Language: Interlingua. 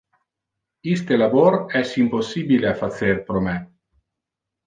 Iste labor es impossibile a facer pro me.